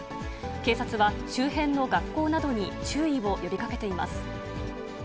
警察は周辺の学校などに注意を呼びかけています。